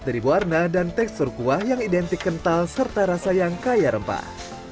dari warna dan tekstur kuah yang identik kental serta rasa yang kaya rempah